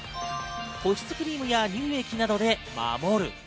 保湿クリームや乳液などで守る。